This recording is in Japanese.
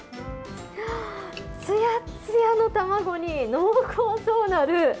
つやつやの卵に濃厚そうなルー。